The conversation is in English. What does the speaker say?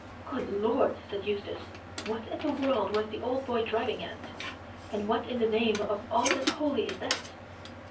"Good Lord!" said Eustace; "what in the world was the old boy driving at? And what in the name of all that's holy is that?"